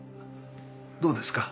どうですか？